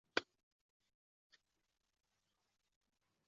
吕泽勒堡人口变化图示